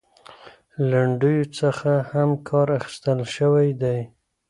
لنډيو څخه هم کار اخيستل شوى دى .